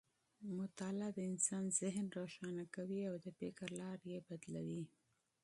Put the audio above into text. مطالعه د انسان ذهن روښانه کوي او د فکر لاره یې بدلوي.